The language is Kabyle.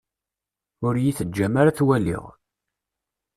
Ur yi-teǧǧam ara ad t-waliɣ.